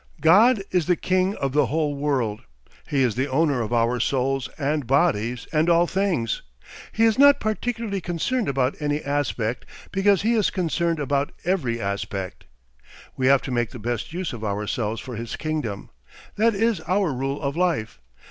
God is the king of the whole world, he is the owner of our souls and bodies and all things. He is not particularly concerned about any aspect, because he is concerned about every aspect. We have to make the best use of ourselves for his kingdom; that is our rule of life.